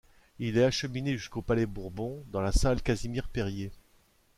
Il est acheminé jusqu’au palais Bourbon, dans la salle Casimir-Perier.